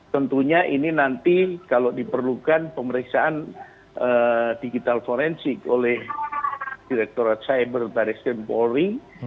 tentunya ini nanti kalau diperlukan pemeriksaan digital forensik oleh direkturat cyber baris krim polri